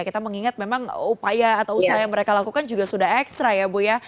kita mengingat memang upaya atau usaha yang mereka lakukan juga sudah ekstra ya bu ya